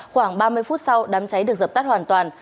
khoảng ba mươi phút sau đám cháy được dập tắt hoàn toàn